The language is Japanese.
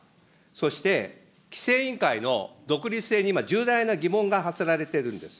そして、規制委員会の独立性に今、重大な疑問が発せられているんです。